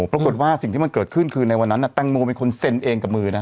ปรากฏว่าสิ่งที่มันเกิดขึ้นคือในวันนั้นแตงโมเป็นคนเซ็นเองกับมือนะ